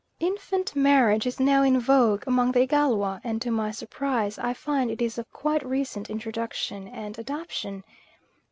Infant marriage is now in vogue among the Igalwa, and to my surprise I find it is of quite recent introduction and adoption.